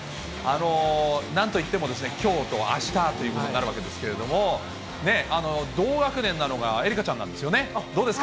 なんといってもきょうとあしたということになるわけですけれども、同学年なのが愛花ちゃんなんですよね。